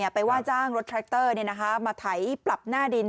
ไปว่าจ้างรถแทรคเตอร์มาไถปรับหน้าดิน